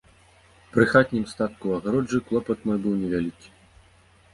Пры хатнім статку ў агароджы клопат мой быў невялікі.